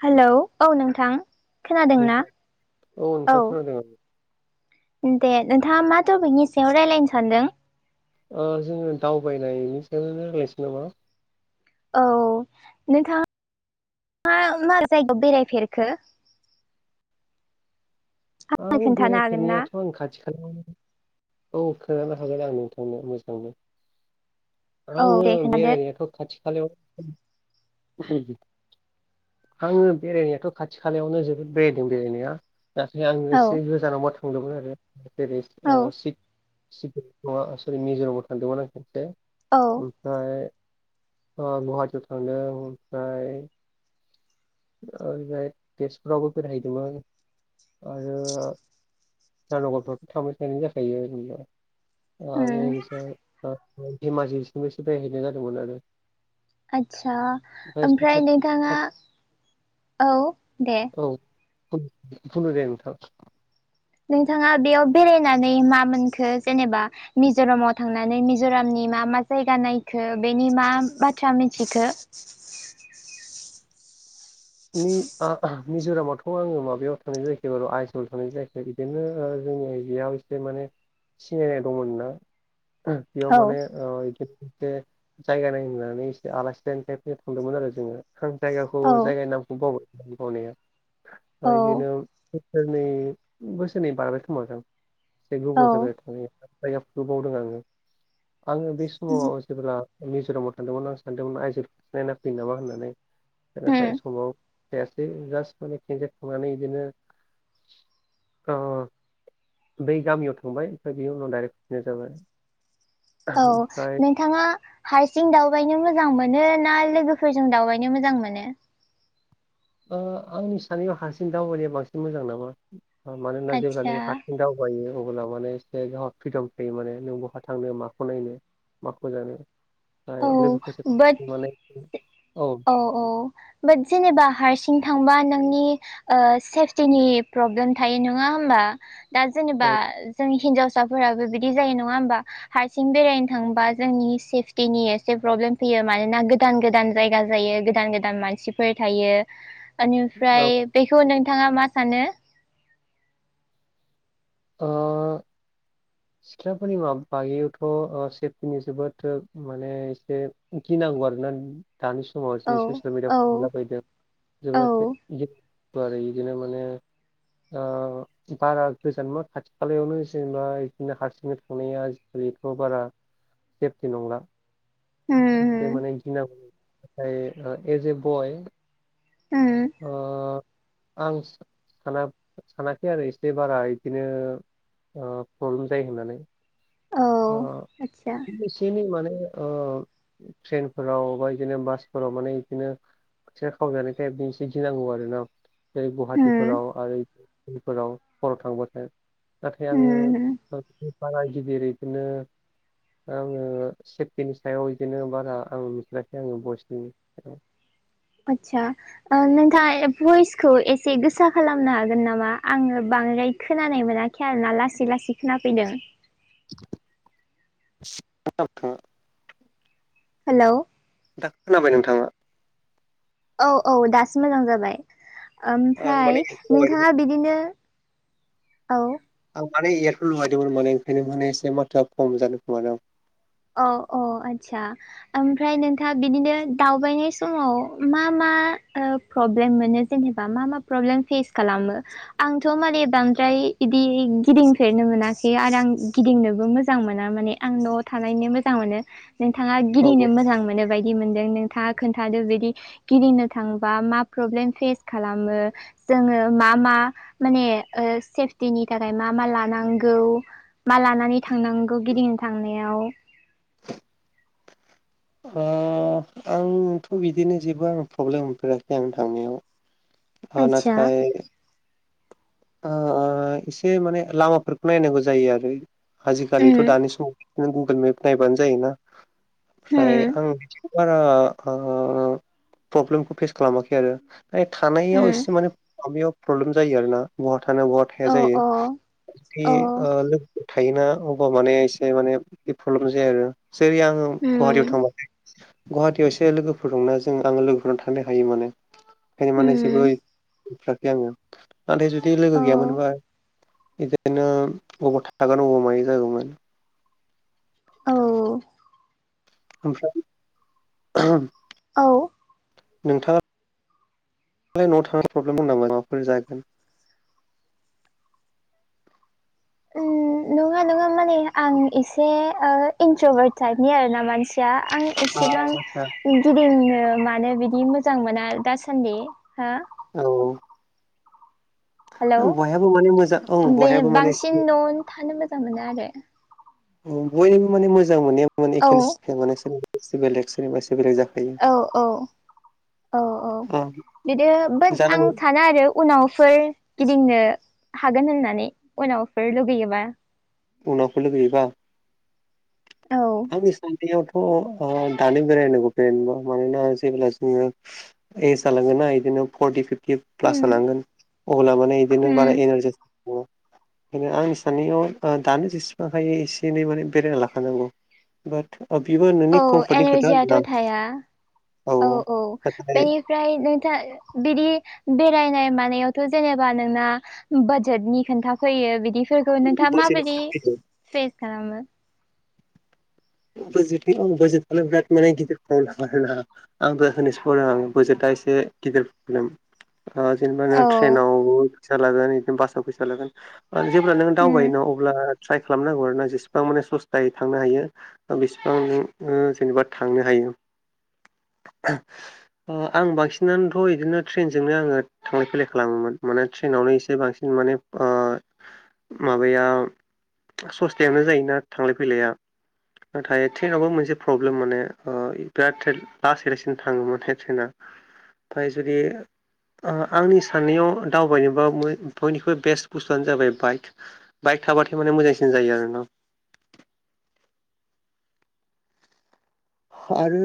Hello औ नोंथां खोनादोंना नोंथां नोंथां औ खोनादों आं। दे नोंथाङा मा टपिगनि सायाव रायज्लायनो सानदों ओ जोङो दावबायनि सायावनो रायलायनोसै नामा औ नोंथांआ मा जायगायाव बेरायफेरखो आं खोन्थानो हागोन ना बेरायफेरनायथ' आं खाथि खालायावनो औ खोनानो हागोन आं नोंथांनो मोजांयैनो औ आङो दे खोन्थादो बेरायनायाथ' खाथि खालायाव आङो बेरायनायाथ' खाथि खालायावनो जोबोद बेरायदों बेरायनाया आं औ एसे गोजानावबा थांदोंमोन आरो जेरै औ सिट सिकिम सरि मेज'रामबो थांदोंमोन आं खेबसे औ ओमफ्राय गुवाहाटियाव थांदों ओमफ्राय ओ तेजपुरावबो बेरायहैदोंमोन। आरो इटानगरफ्रावथ' थांबाय थानाय जाखायो बि उम ओ [unintelligible] धेमाजिसिम [unintelligible] बेरायहैनाय जादोंमोन आरो आदसा ओमफ्राय खाथि नोंथाङा खाथि औ दे [unintelligible] फुनो दे नोंथां नोंथाङा बेयाव बेरायनानै मा मोनखो जेनेबा मिज'रामाव थांनानै मिज'रामनि मा मा जायगा नायखो बेनि मा बाथ्रा मिथिखो [unintelligible] ओ मिज'रामाव [unintelligible] बेखौ आङो माबायाव थानाय जायाखै बार' आइसाव थानाय जायाखै बिदिनो जोंनि बेयाव एसे माने सिनायनाय दंमोन ना बेयाव औ माने बिदिनो एसे जायगा नाय होननानै एसे आलासि दायै थाइप थांदोंमोन आरो जोङो आं जायगाखौ औ जायगानि नामखौ बावबाय बावनाया औ बिदिनो बोसोरनै बोसोरनै बारबायखोमादां एसे औ गोबाव जाबाय। जाया बावदों आङो आङो बे समाव जेब्ला। मिज'रामाव थांदोंमोन आं सानदोंमोन आइजोफोरखौ नायना फैयो नामा होननानै उम नाथाय थायासै जास माने खेनसे थांनानै बिदिनो। बै गामियाव थांबाय ओमफ्राय बेनि उनाव डाइरेक्ट फैफिनाय जाबाय। औ ओमफ्राय नोंथाङा हारसिं दावबायनो मोजां मोनो ना लोगोफोरजों दावबायनो मोजां मोनो। ओ आंनि सानायाव हारसिं दावबायनाया बांसिन मोजां नामा मानोना जेब्ला आदसा जोङो हारसिं दा। थाबायो अब्ला माने एसे जावहा फ्रिदम थायो माने नों बहा थांनो माखौ नायनो माखौ जानो। औ फ्राय लोगोफोर माने औ। अ बाट जेनेबा हारसिं थांबा नोंनि ओ सेफटिनि प्रब्लेम थायो नङा होमबा दा जेनेबा औ जोंनि हिनजावसाफोराबो बिदि जायो नङा होमबा हारसिं बेरायनो थांबा जोंनि सेफ टिनि एसे प्रब्लेम फैयो मानोना गोदान गोदान जायगा जायो गोदान गोदान मानसिफोर थायो। औ बेनिफ्राय बेखौ नोंथाङा मा सानो। ओ। [inaudible] सिख्लाफोरनि माबा बागैयावथ' सेफटिनि जोबोद माने एसे गिनांगौ आरोना। दानि समाव औ जि ससियेल मिडिया औ हमला फैदों औ होम जोबोद। आरो इदिनो माने बारा गोजानबो खाथि खालायावनो जेनेबा बिदिनो हारसिंनो थांनाया आजिखालिथ' बारा सेफटि नंला। एसे होम माने गिनांगौ नाथाय एस ए बय। ओम अ आं साना सानाखै आरो एसे बारा बिदिनो प्रब्लेम जायो होननानै। औ ओ आतसा बेसेनि माने अ ट्रेनफोराव बा बिदिनो बासफोराव माने बिदिनो। [unintelligible] खावजानायखाय टाइपनि गिनांगौ आरो ना। जेरै उम गुवाहाटिफोराव आरोफोराव हराव थांबाथाय। नाथाय उम आङो बारा गिदिर एदिनो। आङो सेफटिनि सायाव बिदिनो बारा आं मिथियाखै आङो बयसनि सायाव। आतसा ओ नोंथाङा भइसखौ एसे गोसा खालामनो हागोन नामा आङो बांद्राय खोनानाय मोनाखै आरोना लासै लासै खोनाफैदों। [unintelligible] हेल'। दा खोनाबाय नोंथाङा? औ औ दासो मोजां जाबाय आं माने ओमफ्राय इयारफन लगायदोंमोन नोंथाङा बिदिनो औ। आं माने इयारफन लुबायदोंमोन माने ओंखायनो माने एसे माथोआ खम जादों खोमादां। औ-औ आतसा। ओमफ्राय नोंथाङा बिदिनो दावबायनाय समाव मा मा ओ प्रब्लेम मोनो जेनेबा मा मा प्रब्लेम फेस खालामो। आंथ' माने बांद्राय बिदि गिदिंफेरनो मोनाखै आरो आं गिदिंनोबो मोजां। मोजां मोना माने आं न'आव थानायनो मोजां मोनो नोंथाङा औ गिदिंनो मोजां मोनो बायदि मोनदों। थाङा खोन्थादो बिदि गिदिंनो थांबा मा प्रब्लेम फेस खालामो। जोङो मा मा माने ओ सेफटिनि थाखाय मा मा लानांगौ मा लानानै थांनांगौ गिदिंनो थांनायाव ओ आंथ' बिदिनो जेबो आं प्रब्लेम मोनफेराखै आं थांनायाव। अ ना थाय ओ एसे माने लामाफोरखौ नायनांगौ जायो आरो आजिखालिथ' दानि समाव [unintelligible] गुगोल मेप नायबानो जायोना ओमफ्राय आं बारा ओ प्रब्लेमखौ फेस खालामाखै आरो। ओय थानायाव एसे माने माबायाव प्रब्लेम जायो आरो ना बहा थानो बहा थाया जायो। जुदि ओ लोगोफोर थायोना अबबा माने एसे माने बिदि प्रब्लेम जाया आरो। जेरै आङो गुवाहाटियाव थांबाखै गुवाहाटियाव एसे लोगोफोर दंना जों आङो लोगोफोराव थांनो हायो माने ओंखायनो माने जेबो [unintelligible] आङो नाथाय जुदि औ लोगो गैयामोनबा बिदिनो बबाव थागोन अबाव मायो जागौमोन। औ। ओमफ्राय औ। नोंथाङा लाय न'आव थां [unintelligible] प्रब्लेम दं नामा माबाफोर जागोन उ नङा नङा माने आं एसे ओ इन्ट्रभार टाइपनि आर ना मानसिया। आं आ एसेबां आदसा गिदिंनो मानो बिदि मोजां मोना दासान्दि हो औ औ। हेलौ बयहाबो माने मोजां औ बे बयहाबो माने एसे बांसिन न'आवनो थानो मोजां मोनो आरो। बयनिबो माने मोजां मोननाया औ [unintelligible] औ औ औ औ बिदि बाथ आं जानांगौ सानो आरो उनावफोर गिदिंनो हागोन होननानै उनावफोर लुगैयोबा। उनावफोर लुगैयोबा औ। आंनि साननायावथ' ओ दानो बेरायनांगौ बेेरायनोबा मानोना जेब्ला जोङो एस जालांगोन ना बिदिनो फरटि फिफ्टि प्लास उम हालांगोन अब्ला माने बिदिनो बारा उम एनारजिस दङ बेनो आंनि साननायाव ओ दानो जेसेबां हायो एसे एनै माने बेरायना लाखानांगौ। बाट औ बेबो नोंनि औ कमफर्टनि खोथा एनारजियाथ' आरोना थाया औ औ नाथाय ओमफ्राय नोंथां बिदि बेरायनाय मानायावथ' जेनेबा नोंना बाजेटनि खोन्थाफैयो बिदिफोरखौ नोंथाङा बाजेटनि माबायदि थाखायनो फेस खालामो? [unintelligible] [unintelligible] बेराद माने गिदिर [unintelligible] आंबो होनोसो [unintelligible] आं [unintelligible] एसे गिदिर प्रब्लेम ओ जेनबा औ ट्रेनावबो फैसा लागोन बिदिनो बासाव फैसा लागोन जेब्ला नों दावबाय उम न' अब्ला ट्राइ खालामनांगौ आर ना जेसेबां माने सस्थायै थांनो हायो। बेसेबां ननो जेनेबा थांनो हायो। आं बांसिनानोथ' बिदिनो ट्रेनजोंनो आङो थांलाय फैलाय खालामोमोन माने ट्रेनावनो एसे बांसिन माने ओ माबायाव सस्थायावनो जायोना थांलाय फैलाया। नाथाय ट्रेनावबो मोनसे प्रब्लेम माने बिराद [unintelligible] लासै लासैनो थाङोमोन [unintelligible] ओमफ्राय जुदि आ-आंनि साननायाव दावबायनोबा बय बयनिख्रुइ बेस्ट बुस्थुआनो जाबाय बाइक। बाइक थाबाथाय माने मोजांसिन जायो आरो ना। आरो